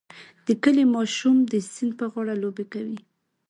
د کلي ماشوم د سیند په غاړه لوبې کوي.